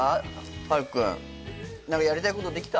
はるく君何かやりたいことできた？